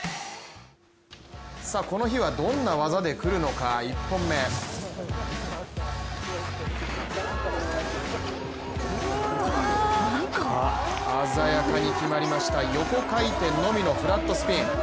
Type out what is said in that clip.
この日はどんな技で来るのか１本目鮮やかに決まりました横回転のみのフラットスピン。